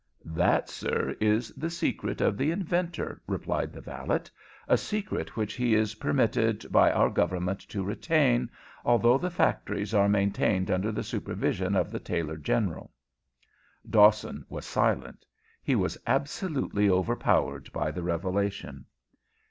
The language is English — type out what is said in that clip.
"That, sir, is the secret of the inventor," replied the valet, "a secret which he is permitted by our government to retain, although the factories are maintained under the supervision of the Tailor General." Dawson was silent. He was absolutely overpowered by the revelation.